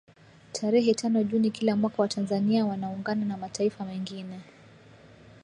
Tarehe tano Juni kila mwaka Watanzania wanaungana na mataifa mengine